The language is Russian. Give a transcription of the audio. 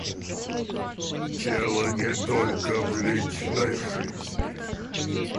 Дело не только в личной жизни.